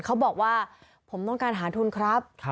เขาบอกว่าผมต้องการหาทุนครับ